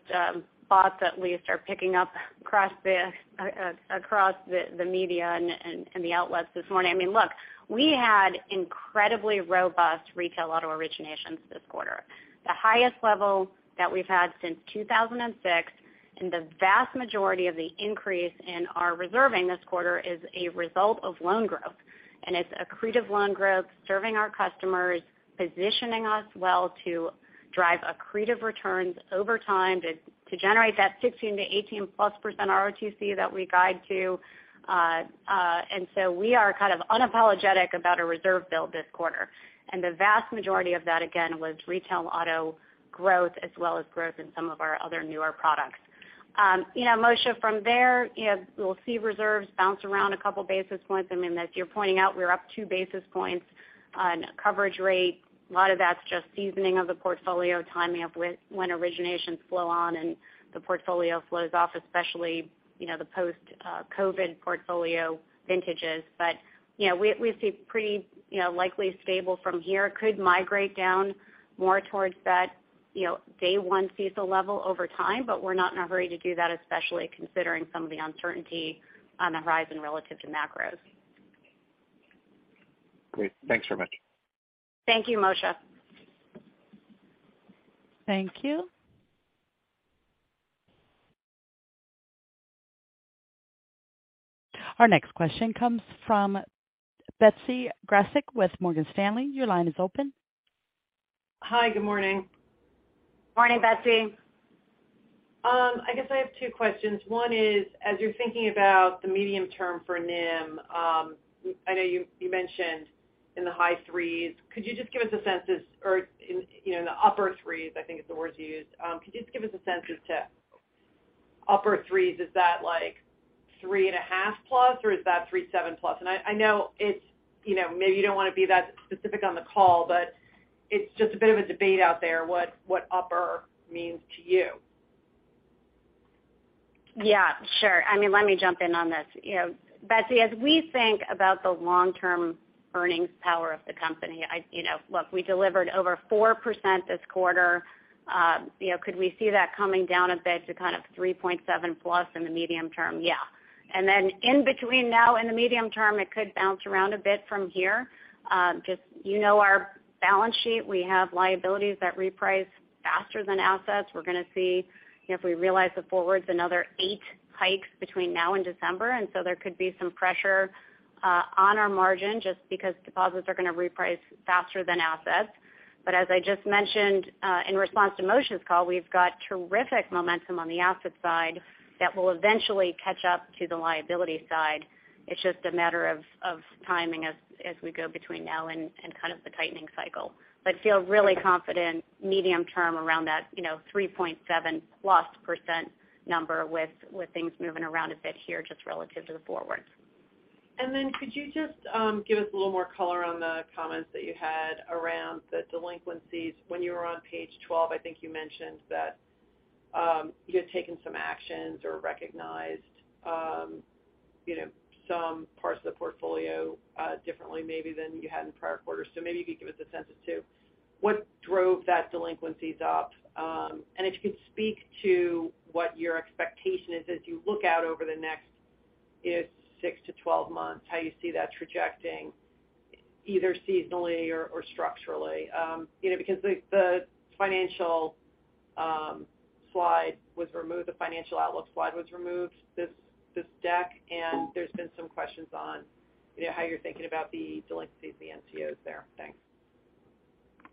thoughts at least are picking up across the media and the outlets this morning. I mean, look, we had incredibly robust retail auto originations this quarter. The highest level that we've had since 2006, and the vast majority of the increase in our reserving this quarter is a result of loan growth. It's accretive loan growth, serving our customers, positioning us well to drive accretive returns over time to generate that 16%-18%+ ROTCE that we guide to. We are kind of unapologetic about a reserve build this quarter. The vast majority of that, again, was retail auto growth as well as growth in some of our other newer products. You know, Moshe, from there, you know, we'll see reserves bounce around a couple basis points. I mean, as you're pointing out, we're up 2 basis points on coverage rate. A lot of that's just seasoning of the portfolio, timing of when originations flow on and the portfolio flows off, especially, you know, the post COVID portfolio vintages. You know, we see pretty, you know, likely stable from here. Could migrate down more towards that, you know, Day 1 CECL level over time, but we're not in a hurry to do that, especially considering some of the uncertainty on the horizon relative to macros. Great. Thanks very much. Thank you, Moshe. Thank you. Our next question comes from Betsy Graseck with Morgan Stanley. Your line is open. Hi. Good morning. Morning, Betsy. I guess I have 2 questions. One is, as you're thinking about the medium term for NIM, I know you mentioned in the high threes. Could you just give us a sense or in, you know, the upper threes, I think is the words you used. Could you just give us a sense as to upper threes, is that like +3.5% or is that +3.7%? I know it's, you know, maybe you don't want to be that specific on the call, but it's just a bit of a debate out there what upper means to you. Yeah, sure. I mean, let me jump in on this. You know, Betsy, as we think about the long-term earnings power of the company, we delivered over 4% this quarter. You know, could we see that coming down a bit to kind of +3.7 in the medium term? Yeah. Then in between now and the medium term, it could bounce around a bit from here. Just you know our balance sheet. We have liabilities that reprice faster than assets. We're gonna see, you know, if we realize the forwards another 8 hikes between now and December, so there could be some pressure on our margin just because deposits are gonna reprice faster than assets. As I just mentioned, in response to Moshe's call, we've got terrific momentum on the asset side that will eventually catch up to the liability side. It's just a matter of timing as we go between now and kind of the tightening cycle. I feel really confident medium term around that, you know, +3.7% number with things moving around a bit here just relative to the forwards. Could you just give us a little more color on the comments that you had around the delinquencies? When you were on page 12, I think you mentioned that you had taken some actions or recognized, you know, some parts of the portfolio differently maybe than you had in prior quarters. Maybe you could give us a sense as to what drove the delinquencies up, and if you could speak to what your expectation is as you look out over the next, if 6-12 months, how you see that trajecting either seasonally or structurally. You know, because the financial slide was removed, the financial outlook slide was removed this deck, and there's been some questions on, you know, how you're thinking about the delinquencies, the NCOs there. Thanks.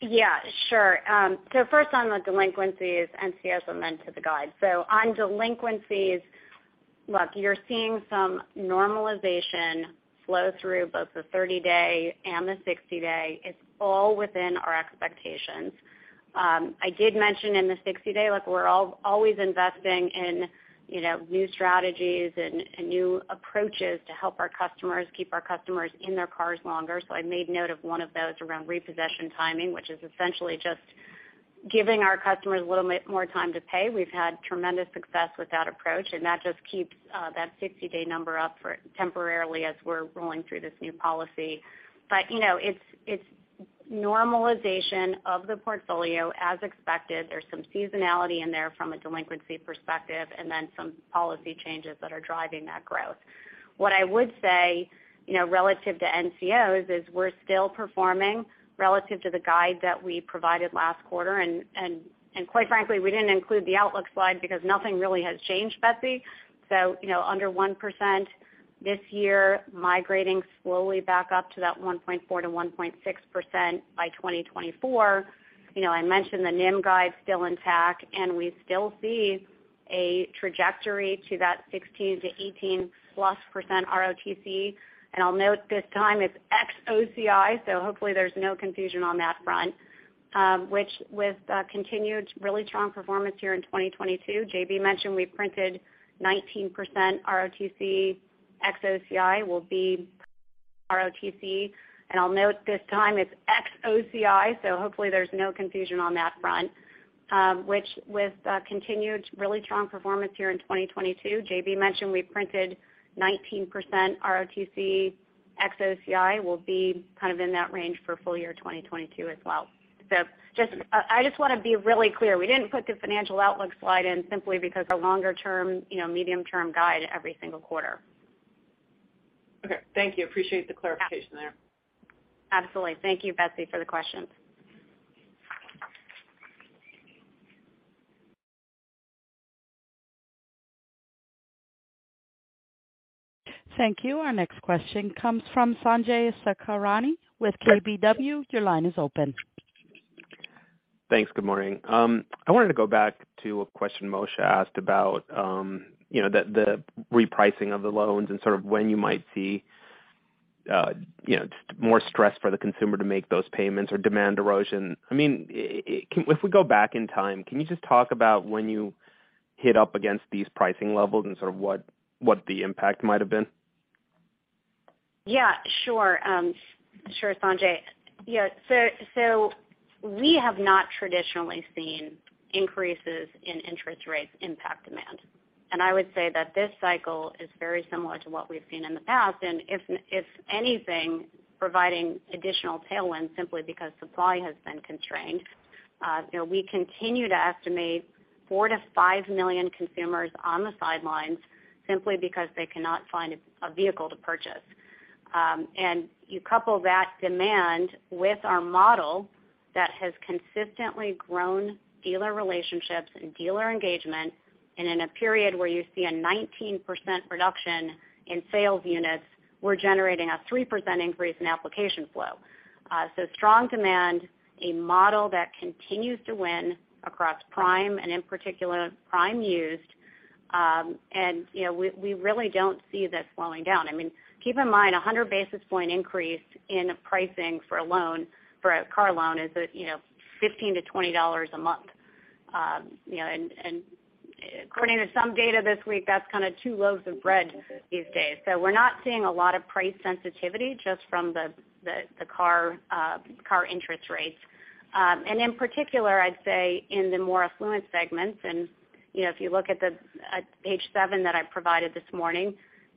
Yeah, sure. First on the delinquencies, NCOs, and then to the guide. On delinquencies, look, you're seeing some normalization flow through both the 30-day and the 60-day. It's all within our expectations. I did mention in the 60-day, look, we're always investing in, you know, new strategies and new approaches to help our customers keep our customers in their cars longer. I made note of one of those around repossession timing, which is essentially just giving our customers a little bit more time to pay. We've had tremendous success with that approach, and that just keeps that 60-day number up temporarily as we're rolling through this new policy. You know, it's normalization of the portfolio as expected. There's some seasonality in there from a delinquency perspective, and then some policy changes that are driving that growth. What I would say, you know, relative to NCOs is we're still performing relative to the guide that we provided last quarter. Quite frankly, we didn't include the outlook slide because nothing really has changed, Betsy. You know, under 1% this year, migrating slowly back up to that 1.4%-1.6% by 2024. You know, I mentioned the NIM guide still intact, and we still see a trajectory to that +16%-18% ROTCE. I'll note this time it's ex OCI, so hopefully there's no confusion on that front, which with continued really strong performance here in 2022. JB mentioned we printed 19% ROTCE, ex OCI will be ROTCE. I'll note this time it's ex OCI, so hopefully there's no confusion on that front, which with continued really strong performance here in 2022. JB mentioned we printed 19% ROTCE, ex OCI will be kind of in that range for full year 2022 as well. I just wanna be really clear, we didn't put the financial outlook slide in simply because a longer term, you know, medium term guide every single quarter. Okay. Thank you. Appreciate the clarification there. Absolutely. Thank you, Betsy, for the question. Thank you. Our next question comes from Sanjay Sakhrani with KBW. Your line is open. Thanks. Good morning. I wanted to go back to a question Moshe asked about, you know, the repricing of the loans and sort of when you might see, you know, more stress for the consumer to make those payments or demand erosion. I mean, if we go back in time, can you just talk about when you hit up against these pricing levels and sort of what the impact might have been? Yeah, sure. Sure, Sanjay. Yeah. So we have not traditionally seen increases in interest rates impact demand. I would say that this cycle is very similar to what we've seen in the past. If anything, providing additional tailwind simply because supply has been constrained. You know, we continue to estimate 4-5 million consumers on the sidelines simply because they cannot find a vehicle to purchase. You couple that demand with our model that has consistently grown dealer relationships and dealer engagement, and in a period where you see a 19% reduction in sales units, we're generating a 3% increase in application flow. Strong demand, a model that continues to win across prime and in particular prime used, and you know, we really don't see this slowing down. I mean, keep in mind, 100 basis point increase in pricing for a car loan is, you know, $15-$20 a month. You know, according to some data this week, that's kind of two loaves of bread these days. We're not seeing a lot of price sensitivity just from the car interest rates. In particular, I'd say in the more affluent segments, you know, if you look at page 7 that I provided this morning,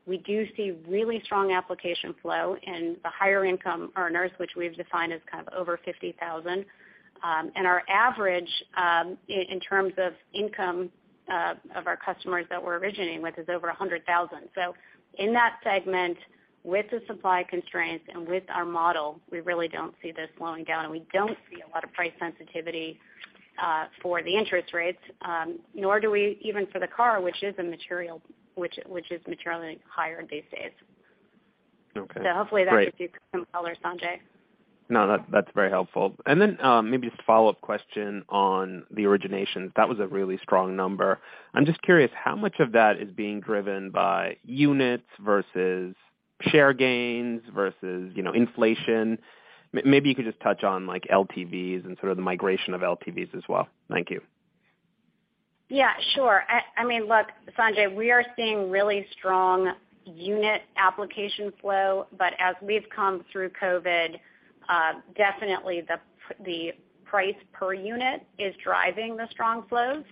we do see really strong application flow in the higher income earners, which we've defined as kind of over $50,000. Our average in terms of income of our customers that we're originating with is over $100,000. In that segment, with the supply constraints and with our model, we really don't see this slowing down. We don't see a lot of price sensitivity for the interest rates, nor do we even for the car, which is materially higher these days. Okay. Great. Hopefully that gives you some color, Sanjay. No, that's very helpful. Maybe just a follow-up question on the origination. That was a really strong number. I'm just curious how much of that is being driven by units versus share gains versus, you know, inflation. Maybe you could just touch on like LTVs and sort of the migration of LTVs as well. Thank you. Yeah, sure. I mean, look, Sanjay, we are seeing really strong unit application flow. As we've come through COVID, definitely the price per unit is driving the strong flows.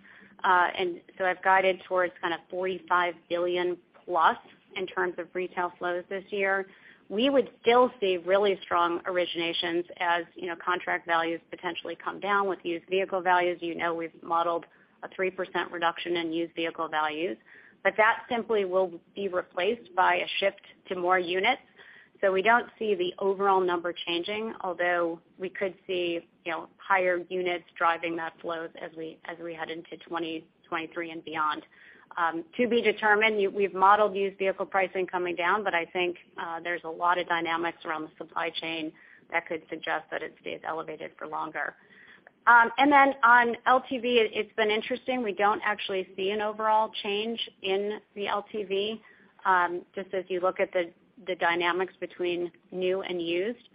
I've guided towards kind of $45 billion plus in terms of retail flows this year. We would still see really strong originations as, you know, contract values potentially come down with used vehicle values. You know, we've modeled a 3% reduction in used vehicle values. That simply will be replaced by a shift to more units. We don't see the overall number changing, although we could see, you know, higher units driving those flows as we head into 2023 and beyond. To be determined, we've modeled used vehicle pricing coming down, but I think there's a lot of dynamics around the supply chain that could suggest that it stays elevated for longer. On LTV, it's been interesting. We don't actually see an overall change in the LTV, just as you look at the dynamics between new and used.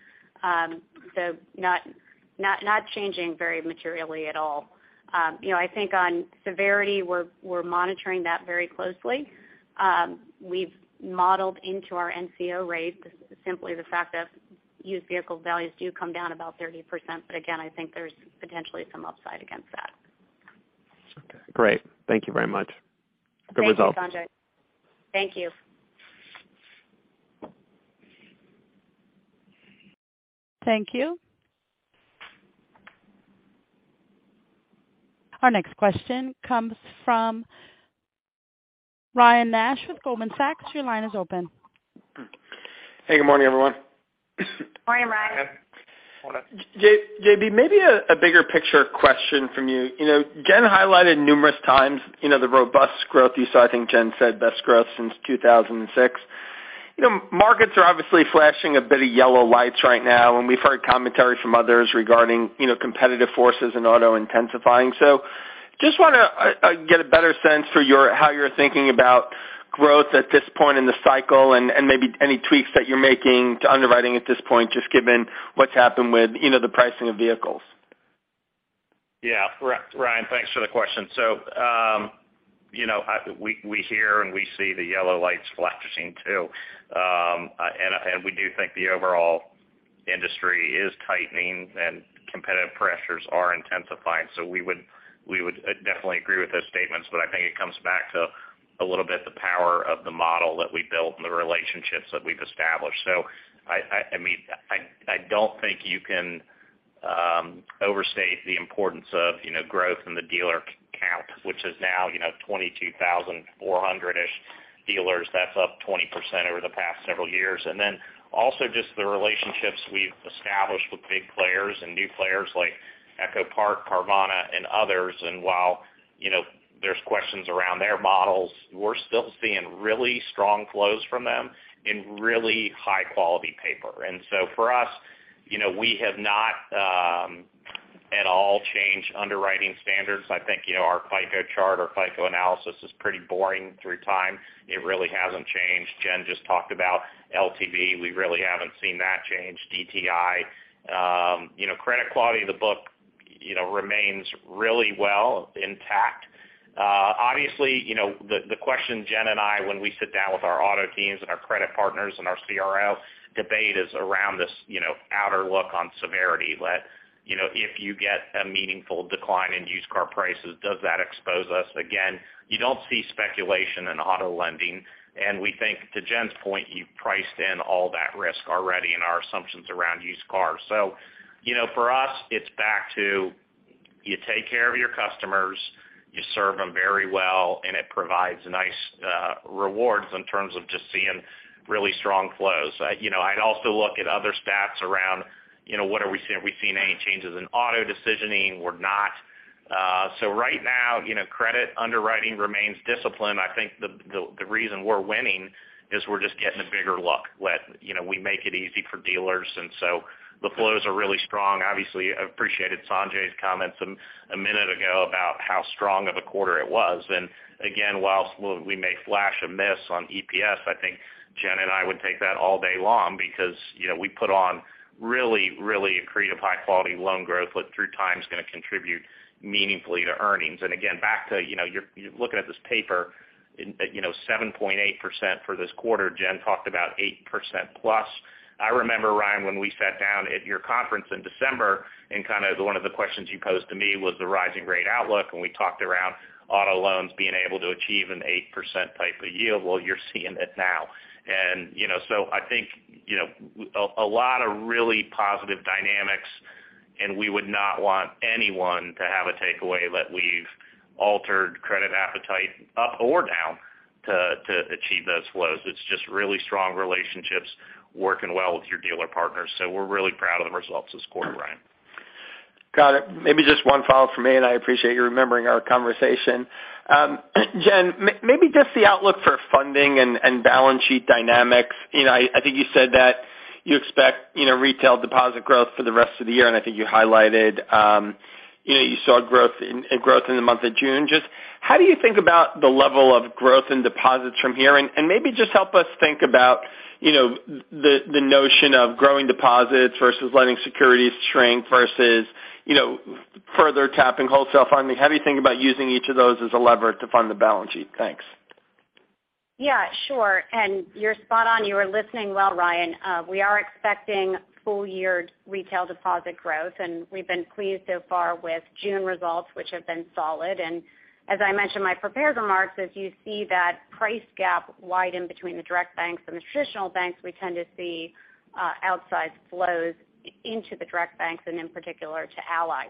Not changing very materially at all. You know, I think on severity, we're monitoring that very closely. We've modeled into our NCO rate simply the fact that used vehicle values do come down about 30%. Again, I think there's potentially some upside against that. Okay. Great. Thank you very much. Good results. Thank you, Sanjay. Thank you. Thank you. Our next question comes from Ryan Nash with Goldman Sachs. Your line is open. Hey, good morning, everyone. Good morning, Ryan. JB, maybe a bigger picture question from you. You know, Jen highlighted numerous times, you know, the robust growth you saw. I think Jen said best growth since 2006. You know, markets are obviously flashing a bit of yellow lights right now, and we've heard commentary from others regarding, you know, competitive forces and auto intensifying. Just wanna get a better sense for your how you're thinking about growth at this point in the cycle and maybe any tweaks that you're making to underwriting at this point, just given what's happened with, you know, the pricing of vehicles. Yeah. Ryan, thanks for the question. We hear and we see the yellow lights flashing too. We do think the overall industry is tightening and competitive pressures are intensifying. We would definitely agree with those statements. I think it comes back to a little bit the power of the model that we built and the relationships that we've established. I mean, I don't think you can overstate the importance of growth in the dealer count, which is now 22,400-ish dealers. That's up 20% over the past several years. Also just the relationships we've established with big players and new players like EchoPark, Carvana, and others. While, you know, there's questions around their models, we're still seeing really strong flows from them and really high-quality paper. For us, you know, we have not at all changed underwriting standards. I think, you know, our FICO chart or FICO analysis is pretty boring through time. It really hasn't changed. Jen just talked about LTV. We really haven't seen that change. DTI. You know, credit quality of the book, you know, remains really well intact. Obviously, you know, the question Jen and I, when we sit down with our auto teams and our credit partners and our CRO debate is around this, you know, outlook on severity that, you know, if you get a meaningful decline in used car prices, does that expose us? Again, you don't see speculation in auto lending. We think, to Jen's point, you've priced in all that risk already in our assumptions around used cars. You know, for us, it's back to you take care of your customers, you serve them very well, and it provides nice rewards in terms of just seeing really strong flows. You know, I'd also look at other stats around, you know, what are we seeing? Are we seeing any changes in auto decisioning? We're not. Right now, you know, credit underwriting remains disciplined. I think the reason we're winning is we're just getting a bigger look that, you know, we make it easy for dealers, and so the flows are really strong. Obviously, I appreciated Sanjay's comments a minute ago about how strong of a quarter it was. Again, while we may flash a miss on EPS, I think Jen and I would take that all day long because, you know, we put on really, really accretive high-quality loan growth that through time is gonna contribute meaningfully to earnings. Again, back to, you know, you're looking at this paper in, you know, 7.8% for this quarter. Jen talked about 8%+. I remember, Ryan, when we sat down at your conference in December, and kinda one of the questions you posed to me was the rising rate outlook, and we talked around auto loans being able to achieve an 8% type of yield. Well, you're seeing it now. You know, so I think, you know, a lot of really positive dynamics, and we would not want anyone to have a takeaway that we've altered credit appetite up or down to achieve those flows. It's just really strong relationships working well with your dealer partners. We're really proud of the results this quarter, Ryan. Got it. Maybe just one follow-up from me, and I appreciate you remembering our conversation. Jen, maybe just the outlook for funding and balance sheet dynamics. You know, I think you said that you expect, you know, retail deposit growth for the rest of the year, and I think you highlighted, you know, you saw growth in the month of June. Just how do you think about the level of growth in deposits from here? Maybe just help us think about, you know, the notion of growing deposits versus lending securities shrink versus, you know, further tapping wholesale funding. How do you think about using each of those as a lever to fund the balance sheet? Thanks. Yeah, sure. You're spot on. You were listening well, Ryan. We are expecting full-year retail deposit growth, and we've been pleased so far with June results, which have been solid. As I mentioned in my prepared remarks, as you see that price gap widen between the direct banks and the traditional banks, we tend to see outsized flows into the direct banks and, in particular, to Ally.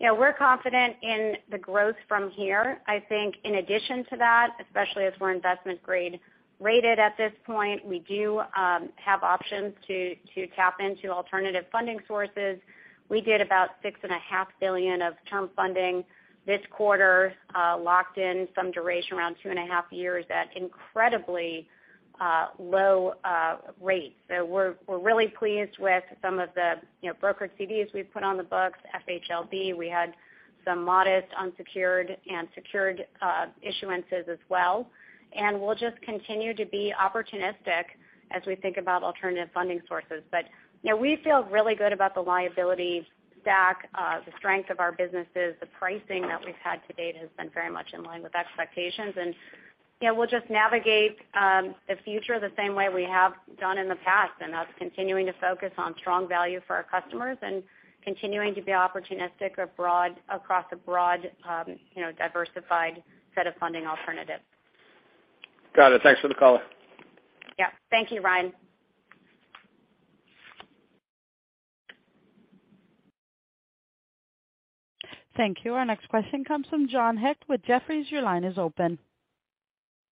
You know, we're confident in the growth from here. I think in addition to that, especially as we're investment grade rated at this point, we do have options to tap into alternative funding sources. We did about $6.5 billion of term funding this quarter, locked in some duration around 2.5 years at incredibly low rates. We're really pleased with some of the, you know, brokered CDs we've put on the books, FHLB. We had some modest unsecured and secured issuances as well. We'll just continue to be opportunistic as we think about alternative funding sources. You know, we feel really good about the liability stack, the strength of our businesses. The pricing that we've had to date has been very much in line with expectations. You know, we'll just navigate the future the same way we have done in the past, and that's continuing to focus on strong value for our customers and continuing to be opportunistic across a broad, you know, diversified set of funding alternatives. Got it. Thanks for the color. Yeah. Thank you, Ryan. Thank you. Our next question comes from John Hecht with Jefferies. Your line is open.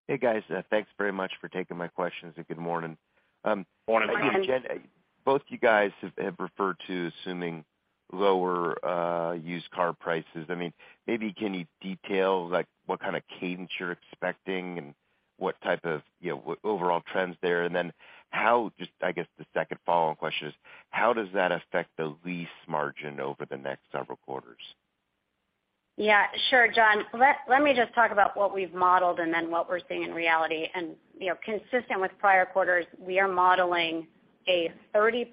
Hey, guys. Thanks very much for taking my questions and good morning. Both you guys have referred to assuming lower used car prices. I mean, maybe can you detail, like, what kind of cadence you're expecting and what type of, you know, overall trends there? Then just, I guess, the second follow-up question is how does that affect the lease margin over the next several quarters? Yeah, sure, John. Let me just talk about what we've modeled and then what we're seeing in reality. You know, consistent with prior quarters, we are modeling a 30%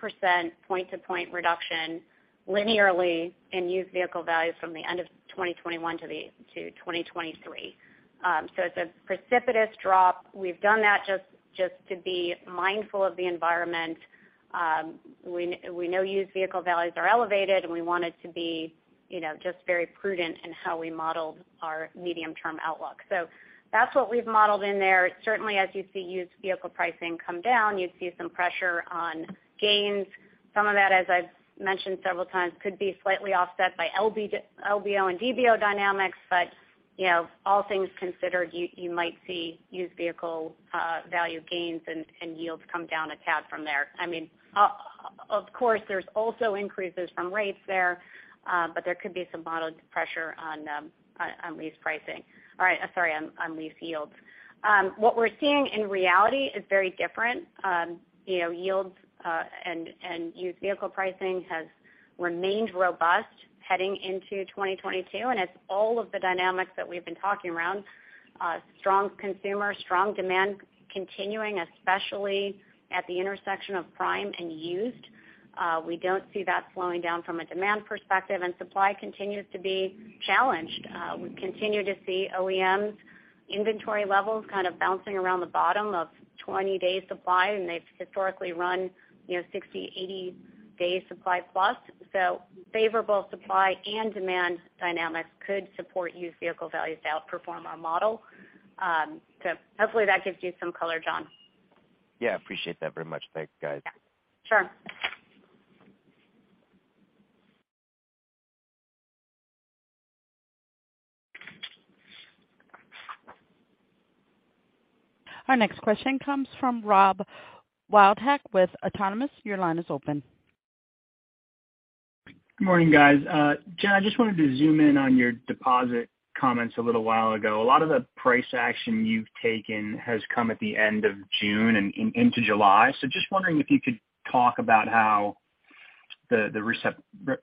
point to point reduction linearly in used vehicle values from the end of 2021 to 2023. It's a precipitous drop. We've done that just to be mindful of the environment. We know used vehicle values are elevated, and we wanted to be, you know, just very prudent in how we modeled our medium-term outlook. That's what we've modeled in there. Certainly, as you see used vehicle pricing come down, you'd see some pressure on gains. Some of that, as I've mentioned several times, could be slightly offset by LBO and DBO dynamics, but, you know, all things considered, you might see used vehicle value gains and yields come down a tad from there. I mean, of course, there's also increases from rates there, but there could be some modeled pressure on lease pricing. All right, sorry, on lease yields. What we're seeing in reality is very different. You know, yields and used vehicle pricing has remained robust heading into 2022, and it's all of the dynamics that we've been talking around. Strong consumer, strong demand continuing, especially at the intersection of prime and used. We don't see that slowing down from a demand perspective, and supply continues to be challenged. We continue to see OEMs inventory levels kind of bouncing around the bottom of 20-day supply, and they've historically run, you know, 60, 80-day supply plus. Favorable supply and demand dynamics could support used vehicle values to outperform our model. Hopefully that gives you some color, John. Yeah, appreciate that very much. Thanks, guys. Yeah. Sure. Our next question comes from Rob Wildhack with Autonomous. Your line is open. Good morning, guys. Jen, I just wanted to zoom in on your deposit comments a little while ago. A lot of the price action you've taken has come at the end of June and into July. Just wondering if you could talk about how the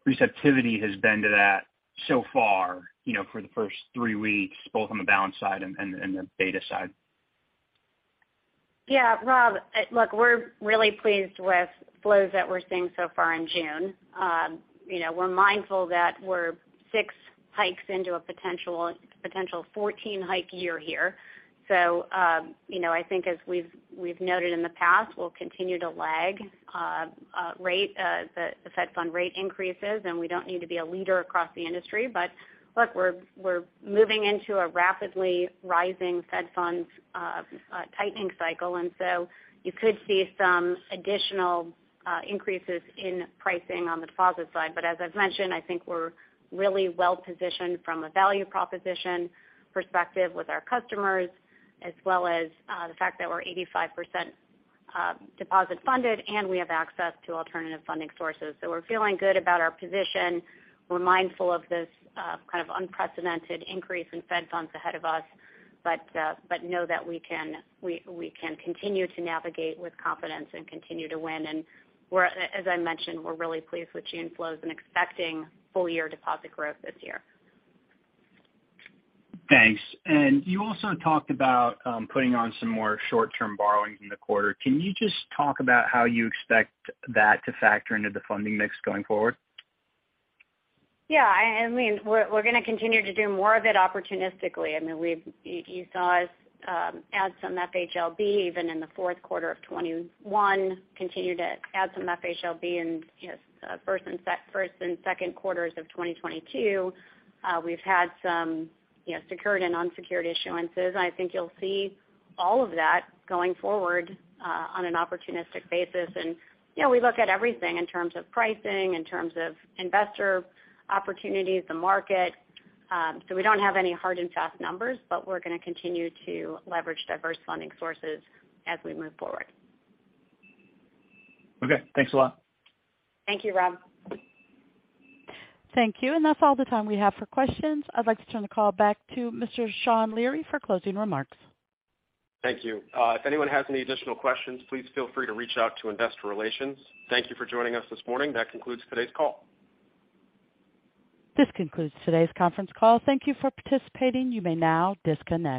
receptivity has been to that so far, you know, for the first three weeks, both on the balance side and the beta side. Yeah. Rob, look, we're really pleased with flows that we're seeing so far in June. You know, we're mindful that we're 6 hikes into a potential 14-hike year here. You know, I think as we've noted in the past, we'll continue to lag the Fed funds rate increases, and we don't need to be a leader across the industry. Look, we're moving into a rapidly rising Fed funds tightening cycle, and you could see some additional increases in pricing on the deposit side. As I've mentioned, I think we're really well-positioned from a value proposition perspective with our customers as well as the fact that we're 85% deposit funded, and we have access to alternative funding sources. We're feeling good about our position. We're mindful of this kind of unprecedented increase in Fed funds ahead of us, but know that we can continue to navigate with confidence and continue to win. We're really pleased with June flows and expecting full-year deposit growth this year. Thanks. You also talked about putting on some more short-term borrowings in the quarter. Can you just talk about how you expect that to factor into the funding mix going forward? Yeah. I mean, we're gonna continue to do more of it opportunistically. I mean, you saw us add some FHLB even in the Q4 of 2021, continue to add some FHLB in, you know, Q1 and Q2 of 2022. We've had some, you know, secured and unsecured issuances. I think you'll see all of that going forward on an opportunistic basis. You know, we look at everything in terms of pricing, in terms of investor opportunities, the market. So we don't have any hard and fast numbers, but we're gonna continue to leverage diverse funding sources as we move forward. Okay, thanks a lot. Thank you, Rob. Thank you. That's all the time we have for questions. I'd like to turn the call back to Mr. Sean Leary for closing remarks. Thank you. If anyone has any additional questions, please feel free to reach out to investor relations. Thank you for joining us this morning. That concludes today's call. This concludes today's conference call. Thank you for participating. You may now disconnect.